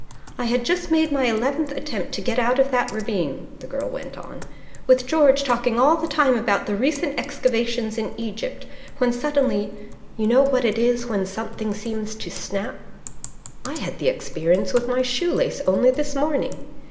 "I had just made my eleventh attempt to get out of that ravine," the girl went on, "with George talking all the time about the recent excavations in Egypt, when suddenly you know what it is when something seems to snap " "I had the experience with my shoe lace only this morning."